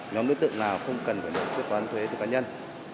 nhóm đối tượng nào không cần phải nộp quyết toán thuế thuộc cá nhân